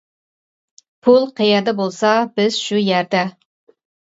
پۇل قەيەردە بولسا بىز شۇ يەردە.